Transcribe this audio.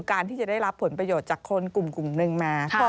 การที่จะได้รับผลประโยชน์จากคนกลุ่มหนึ่งมา